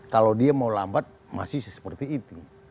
kalau dia mau lambat masih seperti itu